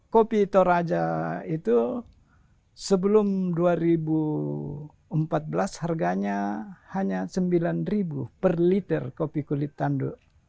kopi toraja itu sebelum dua ribu empat belas harganya hanya rp sembilan per liter kopi kulit tanduk